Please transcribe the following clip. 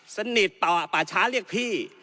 สนิทป่าช้าเรียกพี่